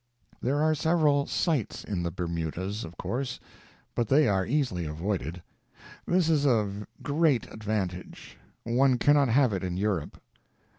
There are several "sights" in the Bermudas, of course, but they are easily avoided. This is a great advantage one cannot have it in Europe.